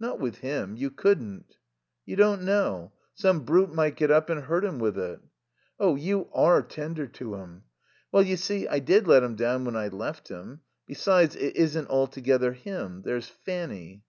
"Not with him. You couldn't." "You don't know. Some brute might get up and hurt him with it." "Oh, you are tender to him." "Well, you see, I did let him down when I left him. Besides, it isn't altogether him. There's Fanny."